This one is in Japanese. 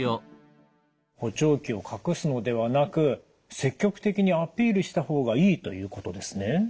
補聴器を隠すのではなく積極的にアピールした方がいいということですね。